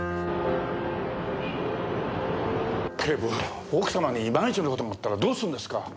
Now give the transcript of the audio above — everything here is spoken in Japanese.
警部奥様に万一の事があったらどうするんですか？